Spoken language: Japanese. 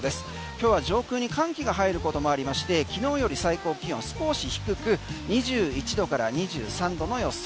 今日は上空に寒気が入ることもありまして昨日より最高気温、少し低く２１度から２３度の予想。